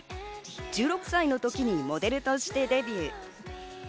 １６歳の時にモデルとしてデビュー。